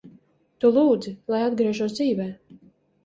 Tu lūdzi, lai atgriežos dzīvē.